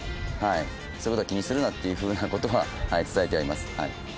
そういうことは気にするなっていうふうなことは伝えてあります。